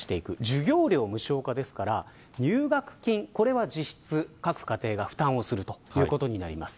授業料無償化ですから、入学金は実質、各家庭が負担をするということになります。